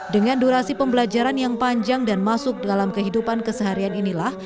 dengan durasi pembelajaran yang panjang dan masuk dalam kehidupan keseharian inilah